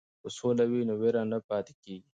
که سوله وي نو وېره نه پاتې کیږي.